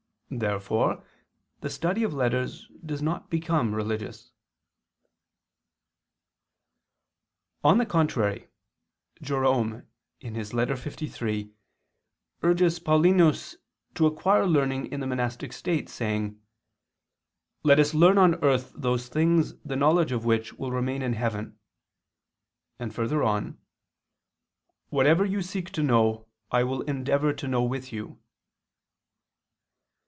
Therefore the study of letters does not become religious. On the contrary, Jerome (Ep. liii ad Paulin.) urges him to acquire learning in the monastic state, saying: "Let us learn on earth those things the knowledge of which will remain in heaven," and further on: "Whatever you seek to know, I will endeavor to know with you."